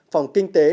phòng kinh tế